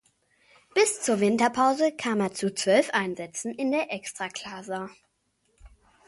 Bis zur Winterpause kam er zu zwölf Einsätzen in der Ekstraklasa.